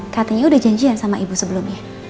katanya udah janjian sama ibu sebelumnya